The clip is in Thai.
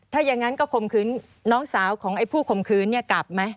ถ้าอย่างนั้นก็ข่มขืนน้องสาวของไอ้ผู้ข่มขืนเนี่ยกลับไหม